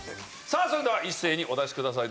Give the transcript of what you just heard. さあそれでは一斉にお出しください。